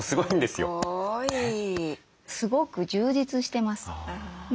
すごく充実してます。